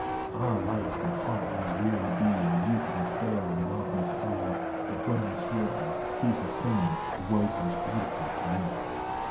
Ah ! life and heart may weary be And youth may fail, and love may flee ; But when I hear her, see her singing, The world grows beautiful to me.